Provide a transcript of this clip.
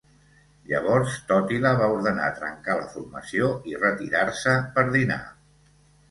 Llavors Tòtila va ordenar trencar la formació i retirar-se per dinar.